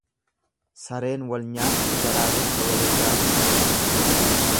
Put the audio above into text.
Sareen wal nyaattu waraabessa walirraa hin dhorkitu.